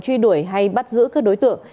truy đuổi hay bắt giữ các đối tượng